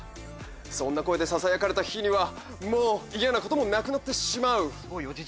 そんな声でささやかれた日にはもうイヤなこともなくなってしまう。